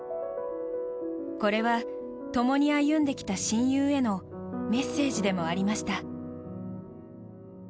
これは、共に歩んできた親友へのメッセージでもありました。